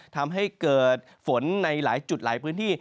ทำให้เกิดฝนในหลายจุดหลายพื้นที่